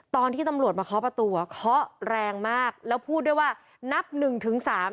ตอนที่ตำรวจมาเคาะประตูอ่ะเคาะแรงมากแล้วพูดด้วยว่านับหนึ่งถึงสาม